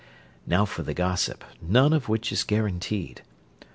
Now for the gossip, none of which is guaranteed.